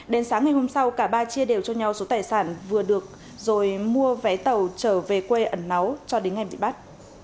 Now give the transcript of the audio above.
đến sáng ngày hôm sau cả ba chia đều cho nhau số tài sản vừa được rồi mua vé tàu trở về quê ẩn nấu cho đến ngày bị bắt